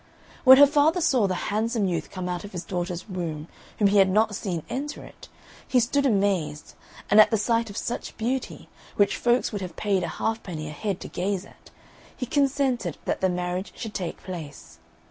When her father saw the handsome youth come out of his daughter's room, whom he had not seen enter it, he stood amazed, and at the sight of such beauty, which folks would have paid a halfpenny a head to gaze at, he consented that the marriage should take place.